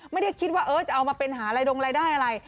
ไม่ได้คิดว่าจะเอามาเป็นหารายดงรายได้อะไร